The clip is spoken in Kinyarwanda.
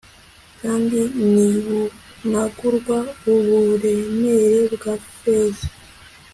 kandi ntibunagurwa uburemere bwa feza